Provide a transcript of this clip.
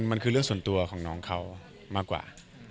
มันคือเรื่องส่วนตัวของน้องเขามากกว่า